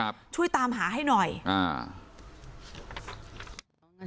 ช่วยตามหาให้หน่อยอ่า